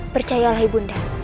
percayalah ibu nera